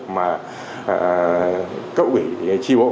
mà cấp ủy tri bộ